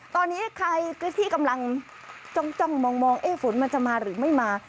ตอนนี้ใครที่กำลังจ้องจ้องมองมองเอ๊ะฝนมันจะมาหรือไม่มา